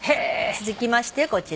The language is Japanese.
続きましてこちら。